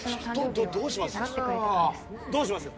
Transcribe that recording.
どうします？